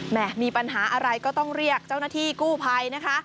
มีปัญหาอะไรก็ต้องเรียกเจ้าหน้าที่กู้ภัยนะคะ